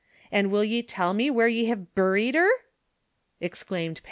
An' will ye tell me where ye have buried her V " exclaimed Pat.